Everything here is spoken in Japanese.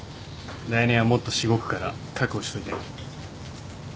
来年はもっとしごくから覚悟しといてね。